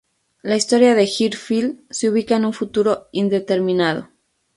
La historia de "Girl Fight" se ubica en un futuro indeterminado.